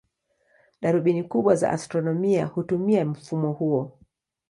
Darubini kubwa za astronomia hutumia mfumo huo.